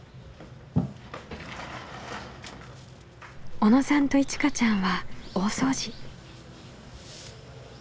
小野さんといちかちゃんは大掃除。